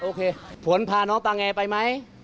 โอเคฝนพาน้องตาแงไปไหม